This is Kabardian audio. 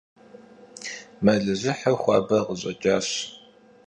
Melıjıhır xuaber khış'eç'aş.